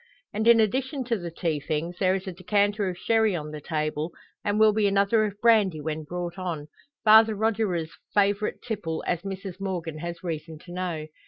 And in addition to the tea things, there is a decanter of sherry on the table, and will be another of brandy when brought on Father Rogier's favourite tipple, as Mrs Morgan has reason to know.